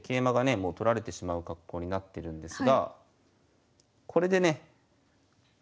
もう取られてしまう格好になってるんですがこれでね